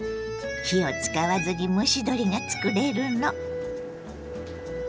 火を使わずに蒸し鶏が作れるの。